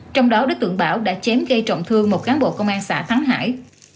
trong đó đối tượng bảo đã chém gây trọng thương một cán bộ công an xã kháng hải